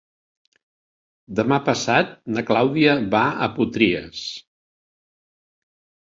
Demà passat na Clàudia va a Potries.